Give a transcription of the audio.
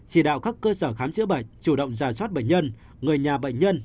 chỉ đạo các cơ sở khám chữa bệnh chủ động giả soát bệnh nhân người nhà bệnh nhân